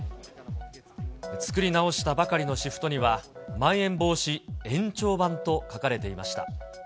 作り直したばかりのシフトには、まん延防止延長版と書かれていました。